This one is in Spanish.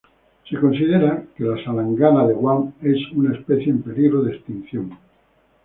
Se considera que la salangana de Guam es una especie en peligro de extinción.